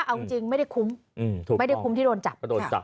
เอาจริงไม่ได้คุ้มไม่ได้คุ้มที่โดนจับก็โดนจับ